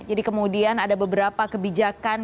jadi kemudian ada beberapa kebijakan